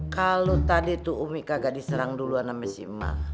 kalau tadi tuh umi kagak diserang duluan sama si emak